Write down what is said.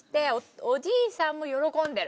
おじいさんも喜んでる。